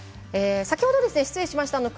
先ほど、失礼しました。